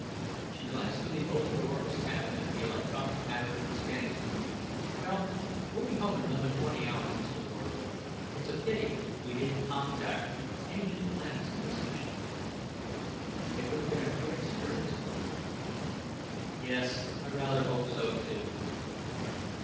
She glanced through the open door of his cabin at the electronic pattern on the scanning screen. "Well, we'll be home in another twenty hours, Mr. Lord. It's a pity we didn't contact any new planets on this mission. It would have been a good experience for you." "Yes, I rather hoped so, too."